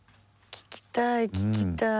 聞きたい聞きたい。